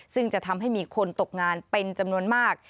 ซึ่งจะทำให้มีคนตกงานเป็นจำนวนมาก